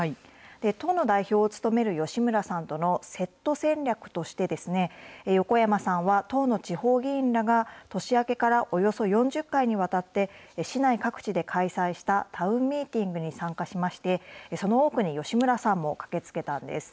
党の代表を務める吉村さんとのセット戦略としてですね、横山さんは党の地方議員らが年明けからおよそ４０回にわたって、市内各地で開催したタウンミーティングに参加しまして、その多くに吉村さんも駆けつけたんです。